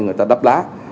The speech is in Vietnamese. người ta đắp lá